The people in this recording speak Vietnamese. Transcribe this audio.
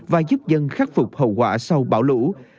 và giúp dân khắc phục hậu quả sau bão lũ